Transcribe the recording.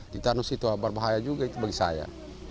ditanus itu berbahaya juga itu bagi saya